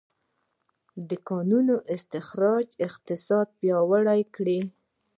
د کانونو استخراج اقتصاد پیاوړی کړ.